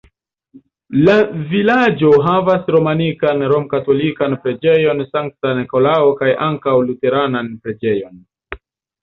La vilaĝo havas romanikan romkatolikan preĝejon Sankta Nikolao kaj ankaŭ luteranan preĝejon.